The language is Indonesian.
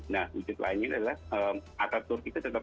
nah wujud lainnya adalah ataturk itu tetap